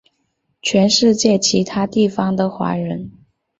全世界其他地方的华人